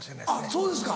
そうですか。